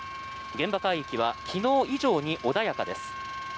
現場海域は昨日以上に穏やかです。